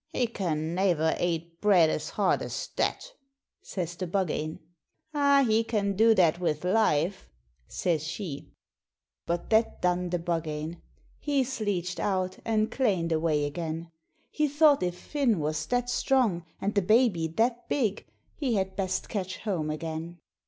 He can naver ate bread as hard as that!' says the Buggane. 'Aw, he can do that with life,' says she. But that done the Buggane; he sleeched out and claned away again. He thought if Finn was that strong and the baby that big, he had best catch home again.